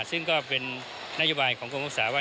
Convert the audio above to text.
ซึ่งก็เป็นนโยบายของกรงลักษณ์สหรัฐ